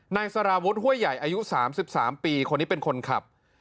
นายสารวุฒิห้วยใหญ่อายุ๓๓ปีคนนี้เป็นคนขับ